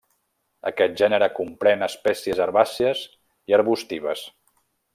Aquest gènere comprèn espècies herbàcies i arbustives.